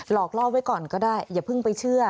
อกล่อไว้ก่อนก็ได้อย่าเพิ่งไปเชื่อ